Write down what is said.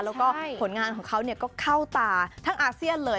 แล้วก็ผลงานของเขาก็เข้าตาทั้งอาเซียนเลย